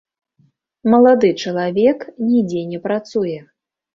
Малады чалавек нідзе не працуе.